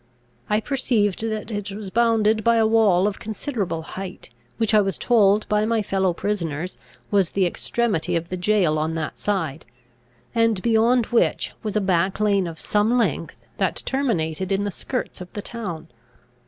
I perceived that it was bounded by a wall of considerable height, which I was told by my fellow prisoners was the extremity of the jail on that side, and beyond which was a back lane of some length, that terminated in the skirts of the town.